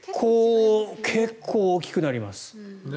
結構大きくなります。